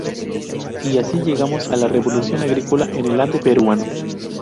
Y así llegamos a la revolución agrícola en el Ande peruano.